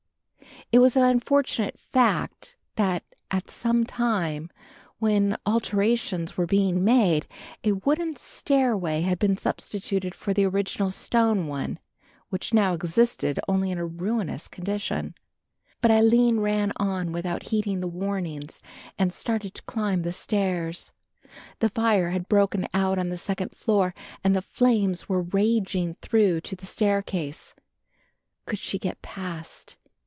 It was an unfortunate fact that at some time, when alterations were being made, a wooden stairway had been substituted for the original stone one, which now existed only in a ruinous condition. But Aline ran on without heeding the warnings and started to climb the stairs. The fire had broken out on the second floor and the flames were raging through to the staircase. Could she get past?